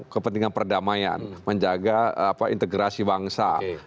kepentingan perdamaian menjaga integrasi bangsa